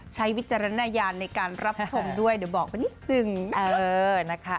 วิจารณญาณในการรับชมด้วยเดี๋ยวบอกไปนิดนึงนะคะ